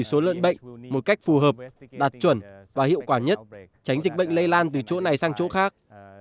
để số lợn bệnh một cách phù hợp đạt chuẩn và hiệu quả nhất tránh dịch bệnh lây lan từ chỗ này sang chỗ khác